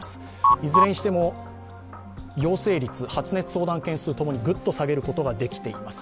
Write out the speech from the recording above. いずれにしても、陽性率、発熱相談件数共にグッと下げることができています。